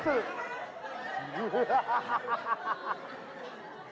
หรือว่า